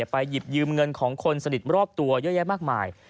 ไปหยิบยืมเงินของคนสนิทรอบตัวเยอะแยะมากมาย